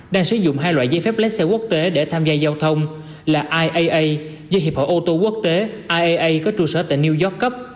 đang sử dụng hai loại giấy phép lái xe quốc tế để tham gia giao thông là iaa do hiệp hội ô tô quốc tế iaea có trụ sở tại new york cấp